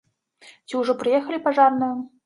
Ці ужо прыехалі пажарныя?